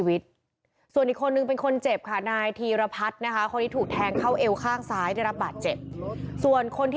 ไอ้ไอ้ไอ้ไอ้ไอ้ไอ้ไอ้ไอ้ไอ้ไอ้ไอ้ไอ้ไอ้ไอ้